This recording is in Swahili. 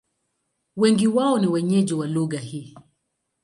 Wengi wao ni wenyeji wa lugha hii.